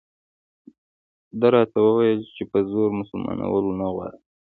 ده راته وویل چې په زور مسلمانول نه غواړي.